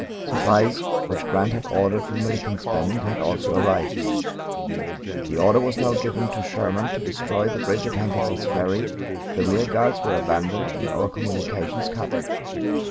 Supplies which Grant had ordered from Milliken's Bend had also arrived. The order was now given to Sherman to destroy the bridge at Hankinson's Ferry, the rear guards were abandoned, and our communications cut.